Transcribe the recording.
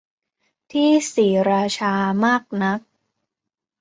ที่ศรีราชามากนัก